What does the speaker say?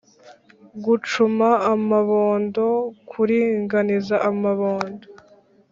gucuma amabondo: kuringaniza amabondo